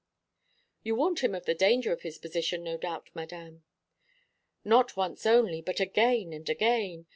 "You warned him of the danger of his position, no doubt, Madame." "Not once only, but again and again.